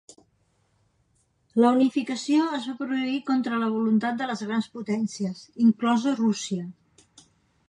La unificació es va produir contra la voluntat de les Grans Potències, inclosa Rússia.